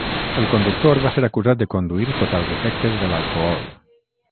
El conductor va ser acusat de conduir sota els efectes de l'alcohol.